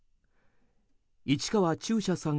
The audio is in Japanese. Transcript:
市川中車さん